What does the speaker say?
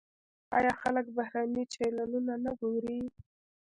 آیا خلک بهرني چینلونه نه ګوري؟